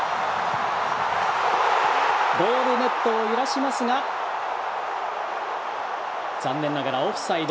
ゴールネットを揺らしますが残念ながらオフサイド。